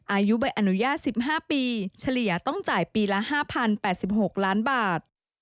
อายุใบอนุญาต๑๕ปีเฉลี่ยต้องจ่ายปีละ๕๐๘๖ล้านบาท